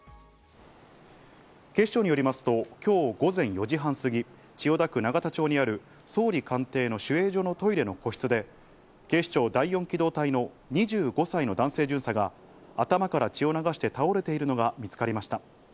警視庁によりますと今日午前４時半過ぎ、千代田区永田町にある総理官邸の守衛所のトイレの個室で、警視庁・第四機動隊の２５歳の男性巡査が頭から血を流して倒れているのが見つかりました。